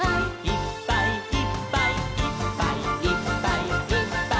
「いっぱいいっぱいいっぱいいっぱい」